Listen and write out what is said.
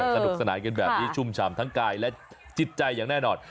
สนุกสนานกันแบบนี้ชุ่มฉ่ำทั้งกายและจิตใจอย่างแน่นอน